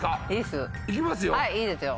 いいですよ。